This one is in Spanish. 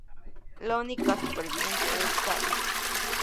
La única superviviente es Sally.